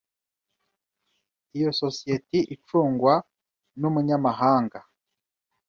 Iyo sosiyete icungwa numunyamahanga.